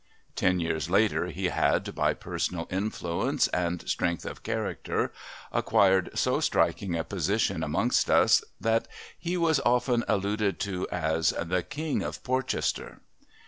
Ten years later he had, by personal influence and strength of character, acquired so striking a position amongst us that he was often alluded to as "the King of Polchester."